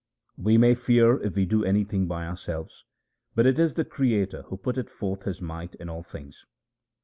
We may fear if we do anything by ourselves ; but it is the Creator who putteth forth His might in all things.